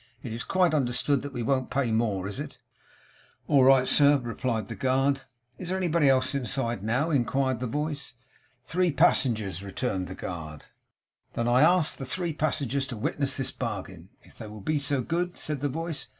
It's quite understood that we won't pay more. Is it?' 'All right, sir,' replied the guard. 'Is there anybody inside now?' inquired the voice. 'Three passengers,' returned the guard. 'Then I ask the three passengers to witness this bargain, if they will be so good,' said the voice.